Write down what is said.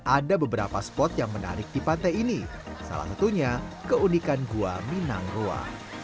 ada beberapa spot yang menarik di pantai ini salah satunya keunikan gua minang rua